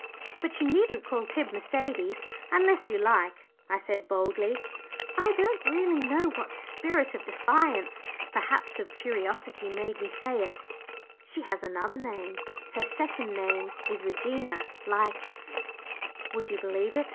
"But you needn't call Tib 'Mercedes,' unless you like," I said, boldly I don't really know what spirit of defiance, perhaps of curiosity, made me say it "she has another name; her second name is Regina, like " Would you believe it?